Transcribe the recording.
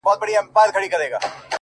پر نوزادو ارمانونو؛ د سکروټو باران وينې؛